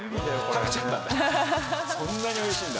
「そんなに美味しいんだ」